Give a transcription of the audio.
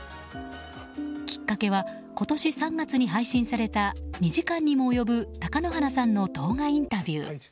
きっかけは今年３月に配信された２時間にも及ぶ貴乃花さんの動画インタビュー。